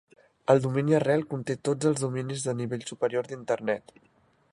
El domini arrel conté tots els dominis de nivell superior d'Internet.